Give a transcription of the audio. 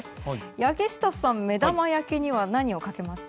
柳下さん、目玉焼きには何をかけますか？